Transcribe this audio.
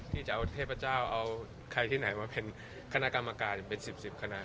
ที่จะเอาเทพเจ้าเอาใครที่ไหนมาเป็นคณะกรรมการเป็น๑๐๑๐คะแนน